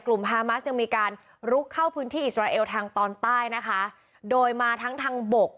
ฮามัสยังมีการลุกเข้าพื้นที่อิสราเอลทางตอนใต้นะคะโดยมาทั้งทางบก